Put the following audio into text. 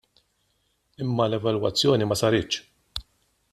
Imma l-evalwazzjoni ma saritx.